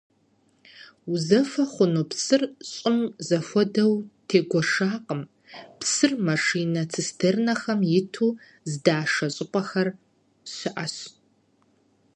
Узэфэ хъуну псыр щӀым зэхуэдэу тегуэшакъым, псыр машинэ-цистернэхэм иту здашэ щӀыпӀэхэр щыӀэщ.